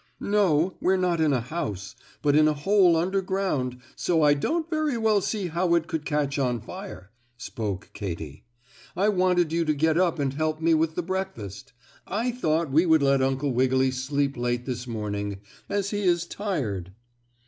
"No, we're not in a house, but in a hole under ground so I don't very well see how it could catch on fire," spoke Katy. "I wanted you to get up and help me with the breakfast. I thought we would let Uncle Wiggily sleep late this morning, as he is tired."